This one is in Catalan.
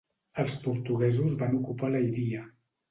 Els portuguesos van ocupar Leiria.